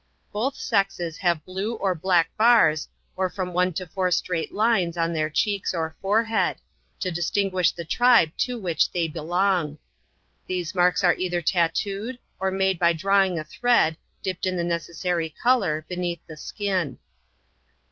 Both sexes have blue or black bars, or from one to four straight lines on their cheeks or forehead; to distinguish the tribe to which they belong. These marks are either tatooed, or mad6 by drawing a thread, dipped in the necessary colour, beneath the skin.